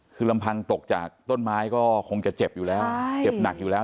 คือลำพังตกจากต้นไม้ก็คงจะเจ็บอยู่แล้วเจ็บหนักอยู่แล้ว